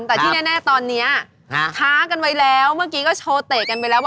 แต่ที่แน่ตอนนี้ฆ้ากันไว้ครับ